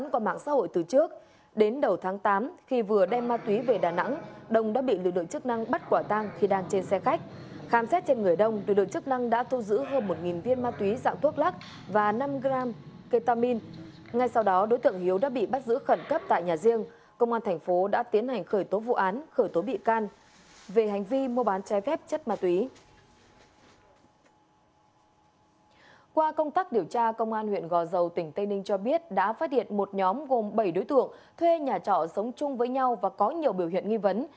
qua công tác điều tra công an huyện gò dầu tỉnh tây ninh cho biết đã phát hiện một nhóm gồm bảy đối tượng thuê nhà trọ sống chung với nhau và có nhiều biểu hiện nghi vấn